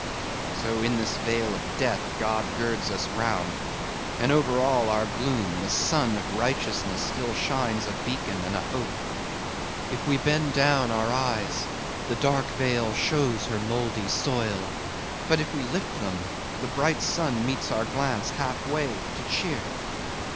So in this vale of Death, God girds us round; and over all our gloom, the sun of Righteousness still shines a beacon and a hope. If we bend down our eyes, the dark vale shows her mouldy soil; but if we lift them, the bright sun meets our glance half way, to cheer.